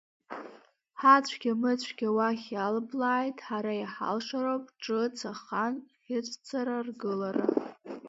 Ҳацәгьа-мыцәгьа уахь иалаблааит, ҳара иҳалшароуп ҿыц ахан хьыцәцара аргылара.